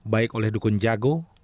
baik oleh dukun jago